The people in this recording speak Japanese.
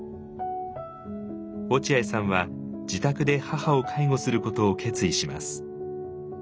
落合さんは自宅で母を介護することを決意します。